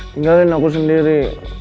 tinggalin aku sendiri